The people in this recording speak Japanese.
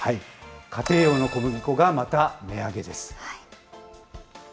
家庭用の小麦粉がまた値上げです。